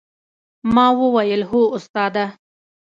ما وويل هو استاده!